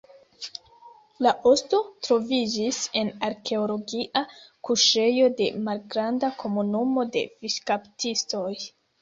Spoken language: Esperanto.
La osto troviĝis en arkeologia kuŝejo de malgranda komunumo de fiŝkaptistoj.